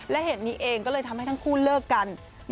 และเหตุนี้เองก็เลยทำให้ทั้งคู่เลิกกัน